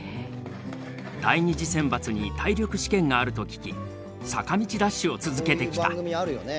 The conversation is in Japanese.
第２次選抜に体力試験があると聞き坂道ダッシュを続けてきた。